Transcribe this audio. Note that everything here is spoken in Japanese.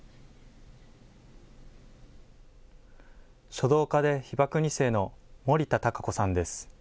書道家で被爆２世の森田孝子さんです。